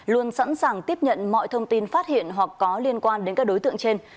luôn sẵn sàng tiếp nhận mọi thông tin phát hiện hoặc có liên quan đến các đối tượng trên